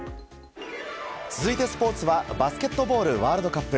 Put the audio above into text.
続いてスポーツはバスケットボールワールドカップ。